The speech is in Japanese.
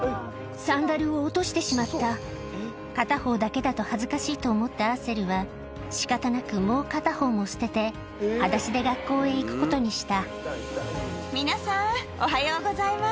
サンダルを落としてしまった片方だけだと恥ずかしいと思ったアーセルは仕方なくもう片方も捨ててはだしで学校へ行くことにした皆さんおはようございます。